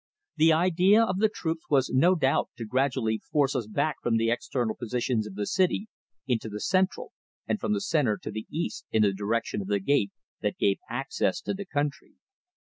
The idea of the troops was no doubt to gradually force us back from the external positions of the city into the central, and from the centre to the east in the direction of the gate that gave access to the country.